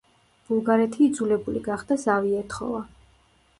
ბულგარეთი იძულებული გახდა ზავი ეთხოვა.